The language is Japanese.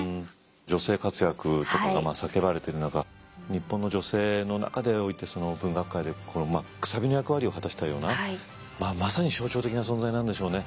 女性活躍とかが叫ばれてる中日本の女性の中でおいてその文学界でこのくさびの役割を果たしたようなまさに象徴的な存在なんでしょうね。